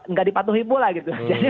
nggak dipatuhi pula gitu